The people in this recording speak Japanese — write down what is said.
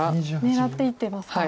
狙っていってますか。